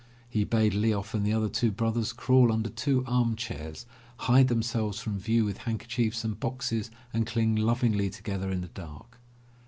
'' He bade Lyof and the other two brothers crawl imder two armchairs, hide themselves from view with handker chiefs and boxes, and cling lovingly together in the dark.